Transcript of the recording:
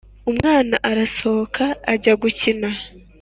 umwana arasohoka ajya gukina,